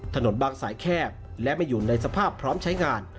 ถนนบางสายแคบและไม่อยู่ในสภาพพร้อมใช้งาน